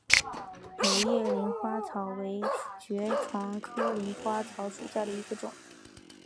柳叶鳞花草为爵床科鳞花草属下的一个种。